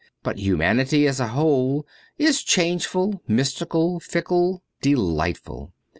But humanity as a whole is changeful, mystical, fickle, delightful.